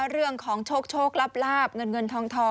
เรื่องของโชคลาบเงินเงินทอง